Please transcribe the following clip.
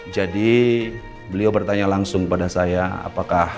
jadi beliau bertanya langsung pada saya apakah